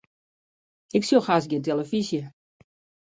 Ik sjoch hast gjin telefyzje.